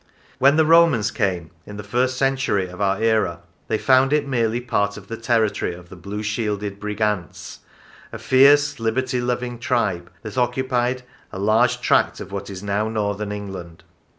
When the Romans came, in the first century of our era, they found it merely part of the territory of the blue shielded Brigantes, a fierce, liberty loving tribe that occupied a large tract of what is now Northern England.